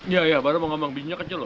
ya ya baru mau ngomong bisnya kecil loh